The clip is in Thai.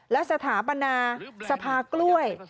และสถาปนาสภากล้วย